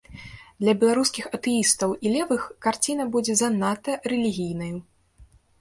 Для беларускіх атэістаў і левых карціна будзе занадта рэлігійнаю.